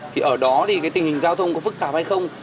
thì ở đó thì cái tình hình giao thông có phức tạp hay không